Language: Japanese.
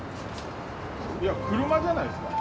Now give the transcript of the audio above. いや車じゃないですか？